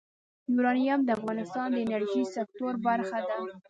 یورانیم د افغانستان د انرژۍ سکتور برخه ده.